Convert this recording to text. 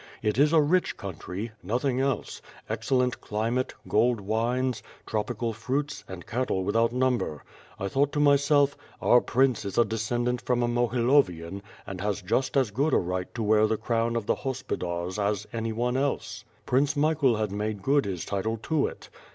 It is a rich country — nothing else — excellent climate, gold wines, tropical fruits, and cattle without number. I thought to my self: Our prince is a descendant from a Mohilovian, and has just as good a right to wear the crown of the Hospodars as any one else. Prince Michael had made good his title to it.